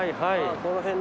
この辺ね。